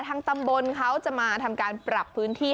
ทางตำบลเขาจะมาทำการปรับพื้นที่